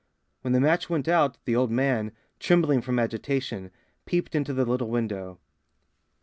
When the match went out, the old man, trembling from agitation, peeped into the little window.